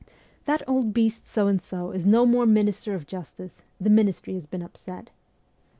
' That old beast So and So is no more minister of justice : the ministry has been upset.'